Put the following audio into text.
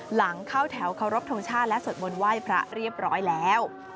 หลังเข้าแถวเคารพทงชาติและสวดมนต์ไหว้พระเรียบร้อยแล้ว